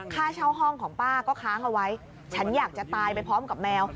ค่าเช่าห้องของป้าก็ค้างเอาไว้ฉันอยากจะตายไปพร้อมกับแมว